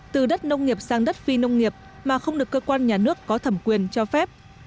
từ đất nông nghiệp sang đất phi nông nghiệp mà không được cơ quan nhà nước có thẩm quyền cho phép